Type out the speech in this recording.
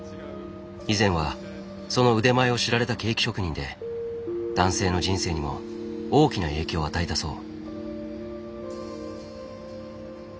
以前はその腕前を知られたケーキ職人で男性の人生にも大きな影響を与えたそう。